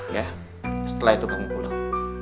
ya setelah itu kamu pulang